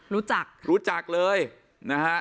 รู้จักรู้จักเลยนะฮะ